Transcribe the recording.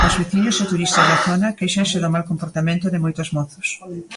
Os veciños e turistas da zona quéixanse do mal comportamento de moitos mozos.